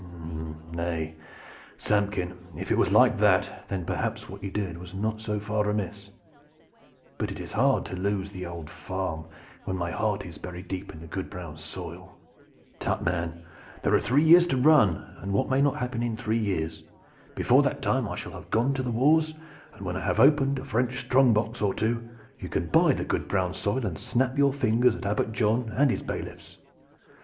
"Nay, Samkin, if it was like that, then perhaps what you did was not so far amiss. But it is hard to lose the old farm when my heart is buried deep in the good brown soil." "Tut, man! there are three years to run, and what may not happen in three years? Before that time I shall have gone to the wars, and when I have opened a French strong box or two you can buy the good brown soil and snap your fingers at Abbot John and his bailiffs.